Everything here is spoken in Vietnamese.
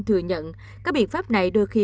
thừa nhận các biện pháp này đôi khi